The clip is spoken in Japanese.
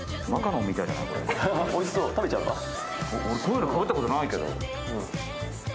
俺、こういうのかぶったことないけど。